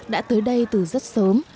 đã tới đây từ rất sớm